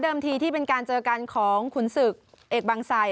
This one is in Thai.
ทีที่เป็นการเจอกันของขุนศึกเอกบางไซ